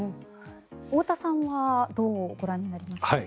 太田さんはどうご覧になりますか？